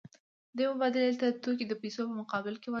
دې مبادلې ته توکي د پیسو په مقابل کې وايي